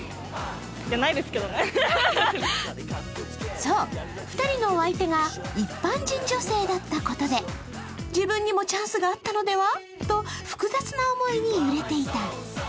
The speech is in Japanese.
そう、２人のお相手が一般人女性だったことで自分にもチャンスがあったのではと複雑な思いに揺れていた。